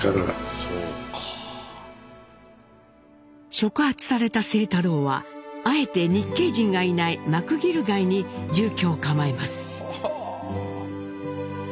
触発された清太郎はあえて日系人がいないマクギル街に住居を構えます。